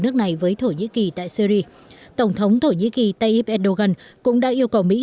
nước này với thổ nhĩ kỳ tại syri tổng thống thổ nhĩ kỳ tayyip erdogan cũng đã yêu cầu mỹ